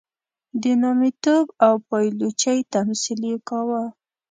د نامیتوب او پایلوچۍ تمثیل یې کاوه.